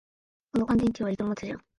この乾電池、わりと持つじゃん